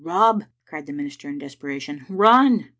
" Rob," cried the minister in desperation, "run!"